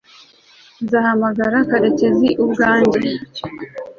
nzahamagara karekezi ubwanjye